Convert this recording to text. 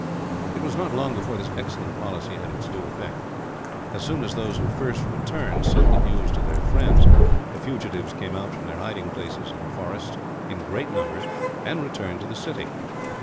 It was not long before this excellent policy had its due effect. As soon as those who first returned sent the news to their friends, the fugitives came out from their hiding places in the forests, in great numbers, and returned to the city.